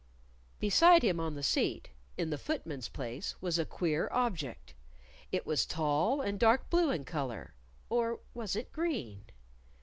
Beside him on the seat, in the foot man's place, was a queer object. It was tall, and dark blue in color. (Or was it green?)